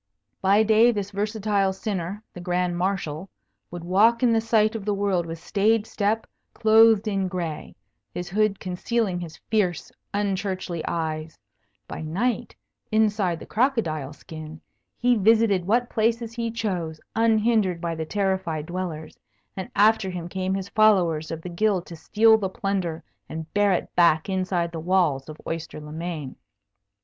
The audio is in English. By day this versatile sinner, the Grand Marshal, would walk in the sight of the world with staid step, clothed in gray, his hood concealing his fierce, unchurchly eyes; by night, inside the crocodile skin, he visited what places he chose, unhindered by the terrified dwellers, and after him came his followers of the Guild to steal the plunder and bear it back inside the walls of Oyster le Main.